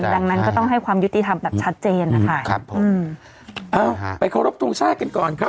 ดังนั้นก็ต้องให้ความยุติธรรมแบบชัดเจนนะคะครับผมเอ้าไปเคารพทงชาติกันก่อนครับ